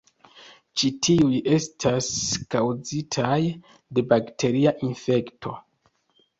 Ĉi tiuj estas kaŭzitaj de bakteria infekto.